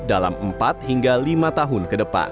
dalam empat hingga lima tahun